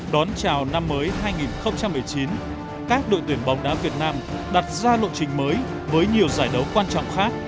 đón chào năm mới hai nghìn một mươi chín các đội tuyển bóng đá việt nam đặt ra lộ trình mới với nhiều giải đấu quan trọng khác